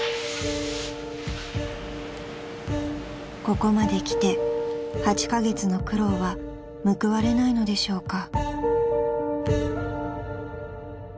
［ここまで来て８カ月の苦労は報われないのでしょうか？］